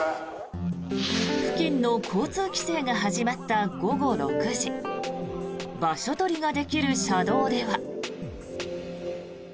付近の交通規制が始まった午後６時場所取りができる車道では。